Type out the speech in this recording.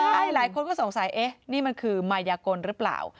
หลายคนก็สงสัยนี่มันคือมายกลรึเปล่า